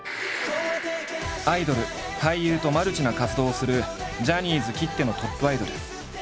アイドル俳優とマルチな活動をするジャニーズきってのトップアイドル。